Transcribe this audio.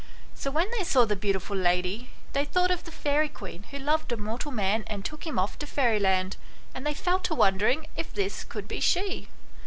So when they saw the beautiful lady they thought of the fairy queen who loved a mortal man and took him off to fairyland, and they fell to wondering if this could be she.